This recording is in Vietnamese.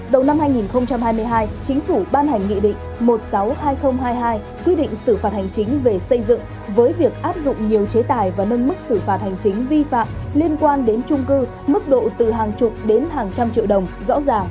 đầu năm hai nghìn hai mươi hai chính phủ ban hành nghị định một trăm sáu mươi hai nghìn hai mươi hai quy định xử phạt hành chính về xây dựng với việc áp dụng nhiều chế tài và nâng mức xử phạt hành chính vi phạm liên quan đến trung cư mức độ từ hàng chục đến hàng trăm triệu đồng